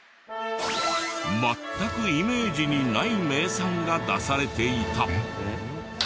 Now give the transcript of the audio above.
全くイメージにない名産が出されていた。